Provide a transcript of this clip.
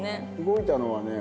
動いたのはね